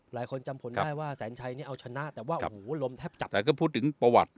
หลายคนจำผลได้ว่าแสนชัยเนี้ยเอาชนะแต่ว่าแกะค่ะแต่ก็พูดถึงประวัติ